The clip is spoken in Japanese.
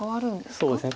そうですね